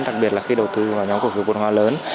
đặc biệt là khi đầu tư vào nhóm cổ phiếu vốn hoa lớn